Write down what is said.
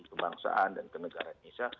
kebangsaan dan ke negara indonesia